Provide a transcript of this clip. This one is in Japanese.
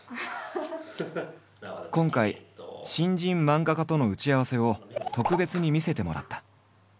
今回新人漫画家との打ち合わせを特別に見せてもらった。